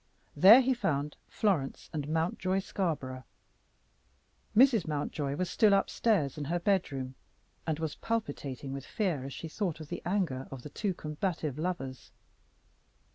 There he found Florence and Mountjoy Scarborough. Mrs. Mountjoy was still up stairs in her bedroom, and was palpitating with fear as she thought of the anger of the two combative lovers.